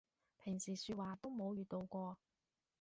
平時說話都冇遇到過